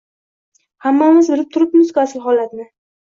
Hammamiz bilib turibmizku asl holatni.